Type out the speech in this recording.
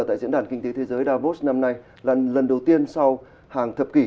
là diễn đàn kinh tế thế giới davos năm nay là lần đầu tiên sau hàng thập kỷ